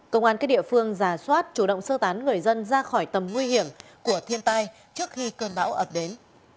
công an các địa phương giả soát chủ động sơ tán người dân ra khỏi tầm nguy hiểm của thiên tai trước khi cơn bão ập đến